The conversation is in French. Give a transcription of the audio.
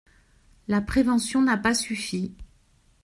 La prévention n’a pas suffi.